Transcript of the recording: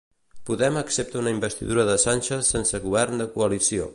Podem accepta una investidura de Sánchez sense govern de coalició.